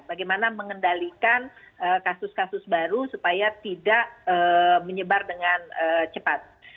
bagaimana mengendalikan kasus kasus baru supaya tidak menyebar dengan cepat